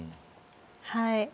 はい。